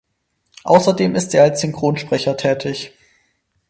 Außerdem ist er als Synchronsprecher tätig.